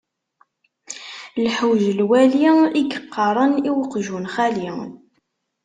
Lḥewj n lwali i yeqqaṛen i uqjun xali.